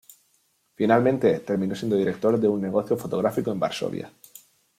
Finalmente terminó siendo director de un negocio fotográfico en Varsovia.